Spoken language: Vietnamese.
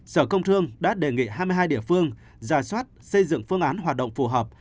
sở công thương đã đề nghị hai mươi hai địa phương ra soát xây dựng phương án hoạt động phù hợp